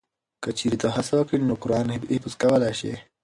که چېرې ته هڅه وکړې نو قرآن حفظ کولی شې.